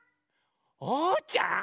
おうちゃん！